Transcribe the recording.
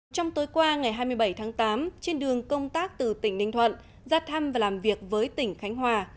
trong tối qua ngày hai mươi bảy tháng tám trên đường công tác từ tỉnh ninh thuận ra thăm và làm việc với tỉnh khánh hòa